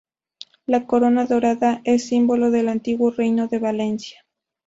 La corona dorada es símbolo del antiguo reino de Valencia.